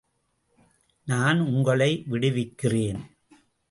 நான் உங்களை விடுவிக்கிறேன்!